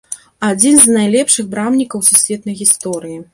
Адзін з найлепшых брамнікаў у сусветнай гісторыі.